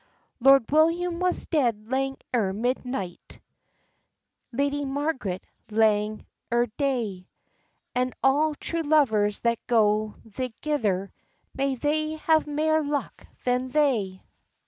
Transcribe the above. — Lord William was dead lang ere midnight, Lady Marg'ret lang ere day— And all true lovers that go thegither, May they have mair luck than they!